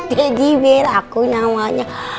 teddy bell aku namanya